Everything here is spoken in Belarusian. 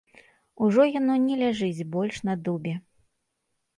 Ужо яно не ляжыць больш на дубе.